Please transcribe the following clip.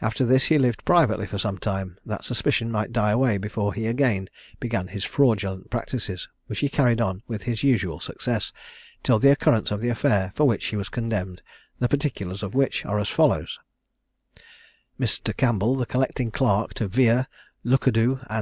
After this he lived privately for some time, that suspicion might die away before he again began his fraudulent practices, which he carried on with his usual success, till the occurrence of the affair for which he was condemned; the particulars of which are as follow: Mr. Campbell, the collecting clerk to Vere, Lucadou, and Co.